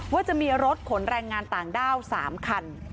ว่าจะมีรถขนแรงงานต่างด้าว๓คัน